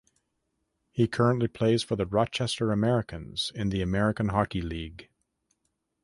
He currently plays for the Rochester Americans in the American Hockey League.